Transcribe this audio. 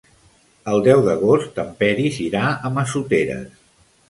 El deu d'agost en Peris irà a Massoteres.